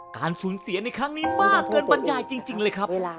การสูญเสียในครั้งนี้มากเกินบรรยายจริงเลยครับ